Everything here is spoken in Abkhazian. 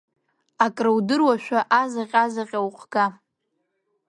Акрудыруашәа, азаҟьа-заҟьа ухга…